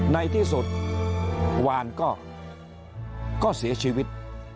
ในที่สุดวานก็เสียชีวิต